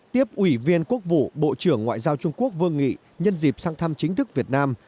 tiếp ủy viên quốc vụ bộ trưởng ngoại giao trung quốc vương nghị nhân dịp sang thăm chính thức việt nam